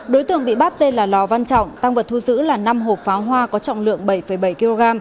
đối tượng bị bắt tên là lò văn trọng tăng vật thu giữ là năm hộp pháo hoa có trọng lượng bảy bảy kg